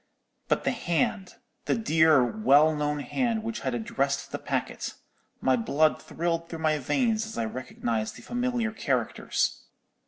"But the hand, the dear, well known hand, which had addressed the packet—my blood thrilled through my veins as I recognized the familiar characters.